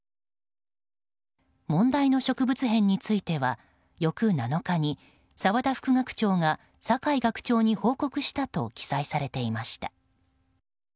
問題の植物片については翌７日に沢田副学長が酒井学長に報告したと記載されていました。